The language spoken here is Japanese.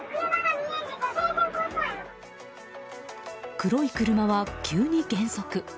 黒い車は急に減速。